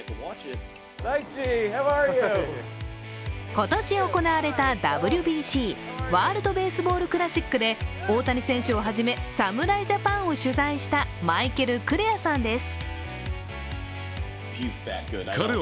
今年行われたＷＢＣ、ワールドベースボールクラシックで大谷選手をはじめ侍ジャパンを取材したマイケル・クレアさんです。